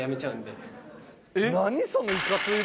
何その。